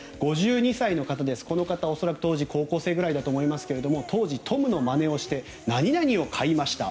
５２歳の方この方、恐らく当時高校生くらいかと思いますが当時、トムのまねをして○○を買いました。